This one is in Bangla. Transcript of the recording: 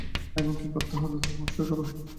এখন কী করতে হবে, পরামর্শ করো।